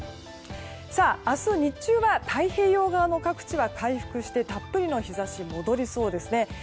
明日日中は太平洋側の各地は回復してたっぷりの日差しが戻りそうです。